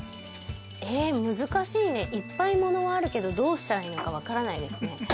え難しいねいっぱいものはあるけどどうしたらいいのか分からないですね。